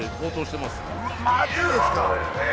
マジですか！？